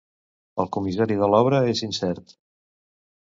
El comissari de l'obra és incert.